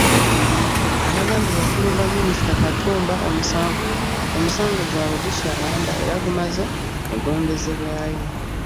Abagambibwa okulumba minisita Katumba omusango gwabwe gukyalanda era gumaze ne gwongezebwayo.